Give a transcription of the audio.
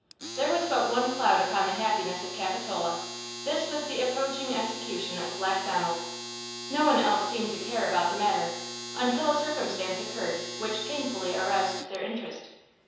There was but one cloud upon the happiness of Capitola; this was the approaching execution of Black Donald. No one else seemed to care about the matter, until a circumstance occurred which painfully aroused their interest.